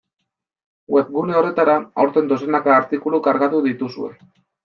Webgune horretara, aurten, dozenaka artikulu kargatu dituzue.